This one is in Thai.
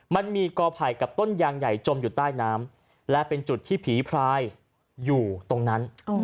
มันมีกอไผ่กับต้นยางใหญ่จมอยู่ใต้น้ำและเป็นจุดที่ผีพรายอยู่ตรงนั้น